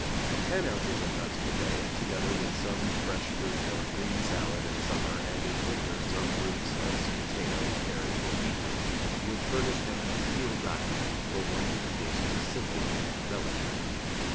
10 ozs. of nuts per day together with some fresh fruit or green salad in summer, and in winter, some roots, as potato, carrot, or beetroot, would furnish an ideal diet for one whose taste was simple enough to relish it.